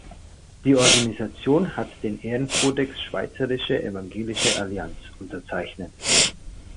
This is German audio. Die Organisation hat den Ehrenkodex Schweizerische Evangelische Allianz unterzeichnet.